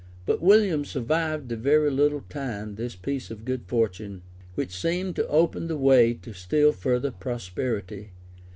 But William survived a very little time this piece of good fortune, which seemed to open the way to still further prosperity.